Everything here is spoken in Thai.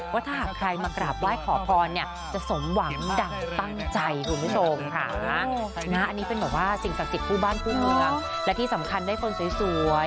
ว่าถ้าหากใครมากราบไหว้ขอพรเนี่ยจะสมหวังดั่งตั้งใจคุณผู้ชมค่ะนะอันนี้เป็นแบบว่าสิ่งศักดิ์สิทธิคู่บ้านคู่เมืองและที่สำคัญได้คนสวย